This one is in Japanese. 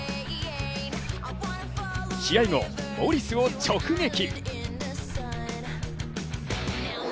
試合後、モリスを直撃。